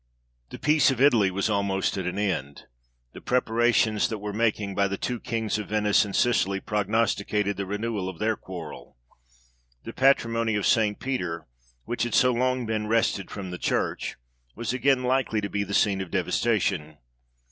The peace of Italy was almost at an end : the prepa rations that were making by the two Kings of Venice and Sicily prognosticated the renewal of their quarrel. The patrimony of St. Peter, which had so long been wrested from the church, was again likely to be the scene of devastation.